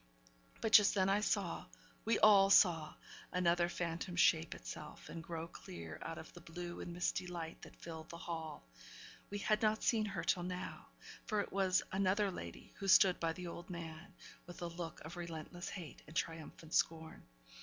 But just then I saw we all saw another phantom shape itself, and grow clear out of the blue and misty light that filled the hall; we had not seen her till now, for it was another lady who stood by the old man, with a look of relentless hate and triumphant scorn.